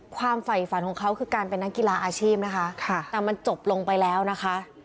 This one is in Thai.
ฝ่ายฝันของเขาคือการเป็นนักกีฬาอาชีพนะคะแต่มันจบลงไปแล้วนะคะ